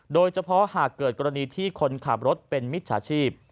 โดยเฉพาะหากเกิดกรณีที่คนขับรถเป็นมิจฉาชีพ